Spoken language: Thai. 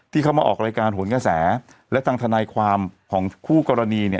ที่เขามาออกรายการหวนกระแสและทางทนายความของคู่กรณี